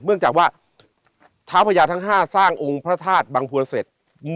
เนื่องจากว่าเท้าพญาทั้ง๕สร้างองค์พระธาตุบังพวนเสร็จ